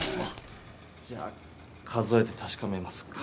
じゃ数えて確かめますか。